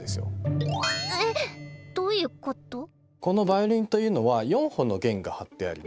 このヴァイオリンというのは４本の弦が張ってあります。